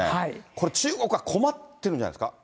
これ、中国は困ってるんじゃないですか。